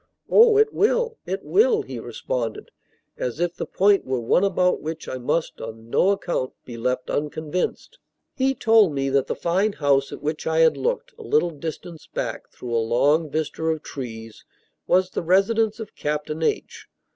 "Oh, it will, it will!" he responded, as if the point were one about which I must on no account be left unconvinced. He told me that the fine house at which I had looked, a little distance back, through a long vista of trees, was the residence of Captain H.